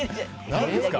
何ですか？